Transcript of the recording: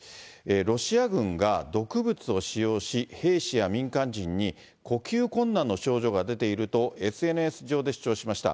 ロシア軍が毒物を使用し、兵士や民間人に呼吸困難の症状が出ているとＳＮＳ上で主張しました。